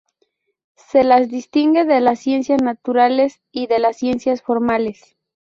Se las distingue de las ciencias naturales y de las ciencias formales.